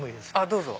どうぞ。